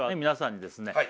皆さんにですね